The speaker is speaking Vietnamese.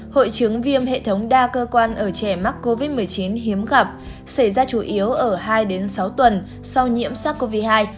hội chứng viêm hệ thống đa cơ quan ở trẻ mắc covid một mươi chín hiếm gặp xảy ra chủ yếu ở hai sáu tuần sau nhiễm sars cov hai